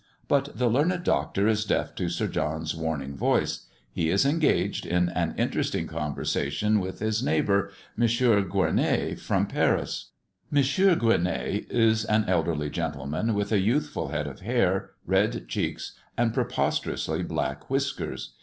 But the learned Doctor is deaf to Sir John's warning voice. He is engaged in an interesting conversation with his neighbour, M. Gueronnay, from Paris. M. Gueronnay is an elderly gentleman, with a youthful head of hair, red cheeks, and preposterously black whiskers.